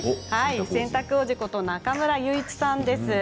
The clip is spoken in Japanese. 洗濯王子こと中村祐一さんです。